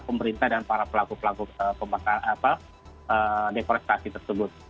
pemerintah dan para pelaku pelaku deforestasi tersebut